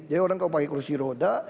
jadi orang kalau pakai kursi roda